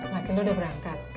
lagi lu udah berangkat